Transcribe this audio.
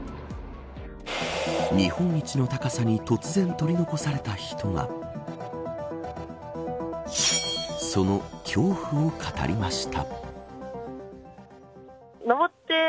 日本一の高さに突然取り残された人がその恐怖を語りました。